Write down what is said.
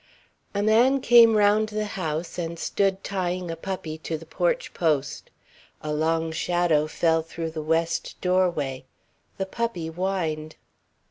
A man came round the house and stood tying a puppy to the porch post. A long shadow fell through the west doorway, the puppy whined.